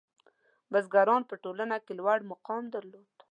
• بزګران په ټولنه کې لوړ مقام درلود.